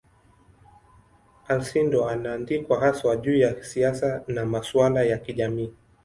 Alcindor anaandikwa haswa juu ya siasa na masuala ya kijamii.